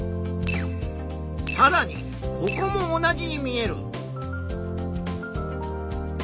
さらにここも同じに見える。